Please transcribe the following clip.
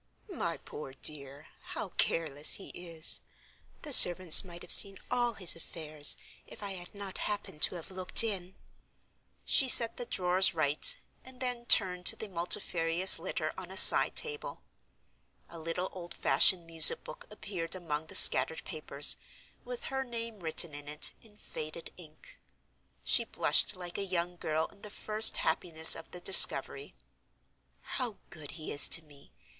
"My poor dear, how careless he is! The servants might have seen all his affairs, if I had not happened to have looked in." She set the drawers right; and then turned to the multifarious litter on a side table. A little old fashioned music book appeared among the scattered papers, with her name written in it, in faded ink. She blushed like a young girl in the first happiness of the discovery. "How good he is to me!